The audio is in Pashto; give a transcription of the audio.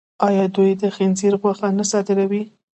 آیا دوی د خنزیر غوښه نه صادروي؟